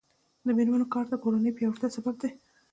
د میرمنو کار د کورنۍ پیاوړتیا سبب دی.